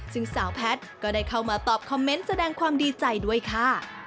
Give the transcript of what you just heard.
ซึ่งสาวแพทย์ก็ได้เข้ามาตอบคอมเมนต์แสดงความดีใจด้วยค่ะ